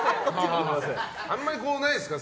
あんまりないですか？